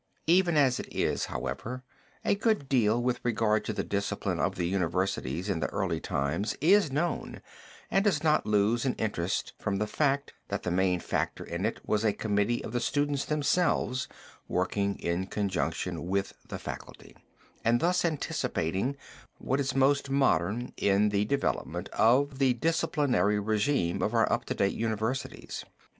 Even as it is, however, a good deal with regard to the discipline of the universities in the early times is known and does not lose in interest from the fact, that the main factor in it was a committee of the students themselves working in conjunction with the faculty, and thus anticipating what is most modern in the development of the disciplinary regime of our up to date universities.